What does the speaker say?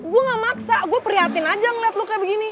gue gak maksa gue prihatin aja ngeliat lo kayak begini